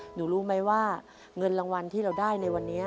หนูรู้ไหมว่าเงินรางวัลที่เราได้ในวันนี้